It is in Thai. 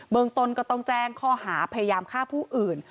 ตนก็ต้องแจ้งข้อหาพยายามฆ่าผู้อื่น